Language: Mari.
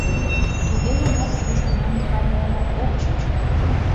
Туге гынат южгунам каньылынак ок чуч.